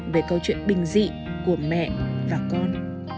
về câu chuyện bình dị của mẹ và con